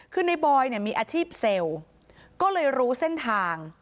คือในบอยเนี่ยมีอาชีพเซลล์ก็เลยรู้เส้นทาง